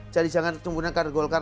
jadi jangan cuma gunakan golkar